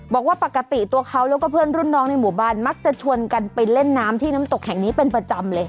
บอกว่าปกติตัวเขาแล้วก็เพื่อนรุ่นน้องในหมู่บ้านมักจะชวนกันไปเล่นน้ำที่น้ำตกแห่งนี้เป็นประจำเลย